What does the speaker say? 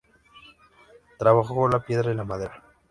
Trabajó la piedra y la madera.